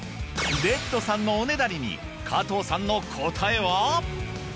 レッドさんのおねだりに加藤さんの答えは。